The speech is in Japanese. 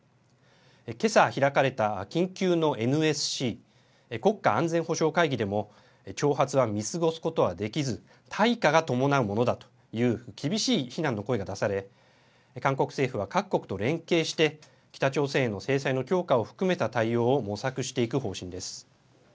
今朝、開かれた緊急のＮＳＣ＝国家安全保障会議でも挑発は見過ごすことはできず対価が伴うものだという厳しい非難の声が出され韓国政府は各国と連携して北朝鮮への制裁の強化を含めた対応を模索していく方針です。